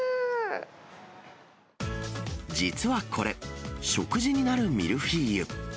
実はこれ、食事になるミルフィーユ。